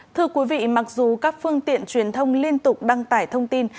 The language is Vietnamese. thưa quý vị mặc dù các phương tiện truyền thông liên tục đăng tải thông tin